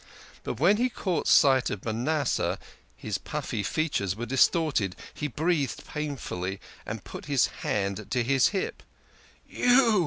But when he caught sight of Manasseh, his puffy features were dis torted, he breathed painfully, and put his hand to his hip. " You